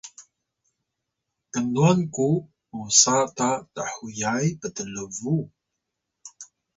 knuwan ku musa ta thuyay ptlubuw?